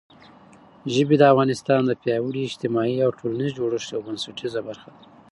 ژبې د افغانستان د پیاوړي اجتماعي او ټولنیز جوړښت یوه بنسټیزه برخه ده.